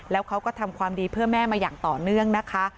แล้วเขาก็ทำความดีเพื่อแม่มาอย่างต่อเนื่องนะคะ